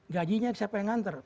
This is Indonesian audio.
gajinya siapa yang nganter